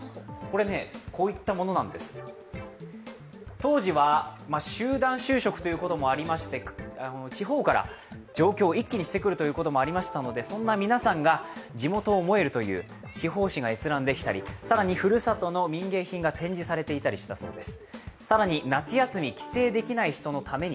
当時は集団就職ということもありまして地方から上京を一気にしてくるということもありましたのでそんな皆さんが地元を思えるという地方紙が閲覧できたり更にふるさとの民芸品が展示されていたりしたそうです。